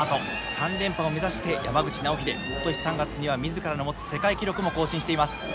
３連覇を目指して山口尚秀今年３月には自らの持つ世界記録も更新しています。